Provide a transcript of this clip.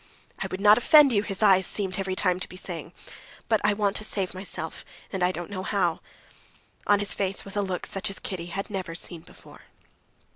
"I would not offend you," his eyes seemed every time to be saying, "but I want to save myself, and I don't know how." On his face was a look such as Kitty had never seen before.